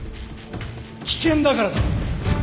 危険だからだ！